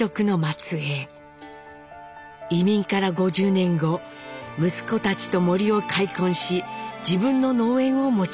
移民から５０年後息子たちと森を開墾し自分の農園を持ちました。